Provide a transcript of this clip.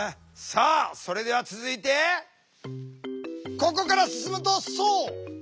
さあそれでは続いてここから進むとそう！